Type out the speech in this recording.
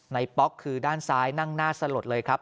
ป๊อกคือด้านซ้ายนั่งหน้าสลดเลยครับ